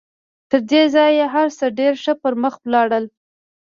تر دې ځایه هر څه ډېر ښه پر مخ ولاړل